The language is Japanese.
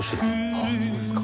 「ああそうですか」